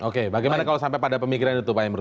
oke bagaimana kalau sampai pada pemikiran itu pak emru